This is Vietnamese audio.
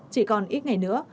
chỉ còn ít ngày nữa